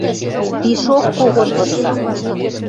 Пишок когон вырса